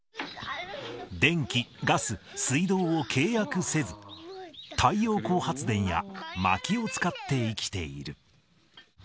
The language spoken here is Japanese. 電気、ガス、水道を契約せず、太陽光発電やまきを使って生きている。